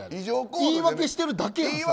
言い訳してるだけやん。